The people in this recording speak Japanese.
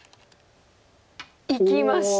いきました！